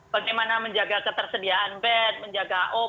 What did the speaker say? bagaimana menjaga ketersediaan bed menjaga obat